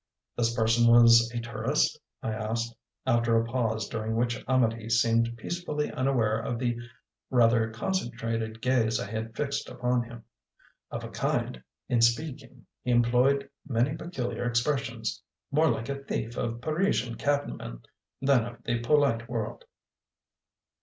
"This person was a tourist?" I asked, after a pause during which Amedee seemed peacefully unaware of the rather concentrated gaze I had fixed upon him. "Of a kind. In speaking he employed many peculiar expressions, more like a thief of a Parisian cabman than of the polite world."